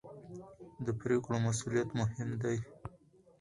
د پرېکړو مسوولیت مهم دی